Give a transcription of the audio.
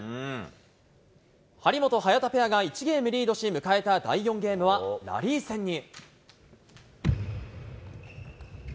張本・早田ペアが１ゲームリードし、迎えた第４ゲームは、ラリー戦に。